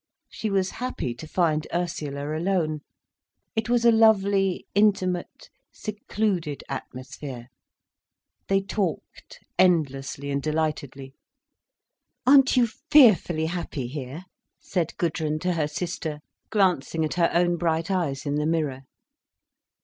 She was happy to find Ursula alone. It was a lovely, intimate secluded atmosphere. They talked endlessly and delightedly. "Aren't you fearfully happy here?" said Gudrun to her sister glancing at her own bright eyes in the mirror.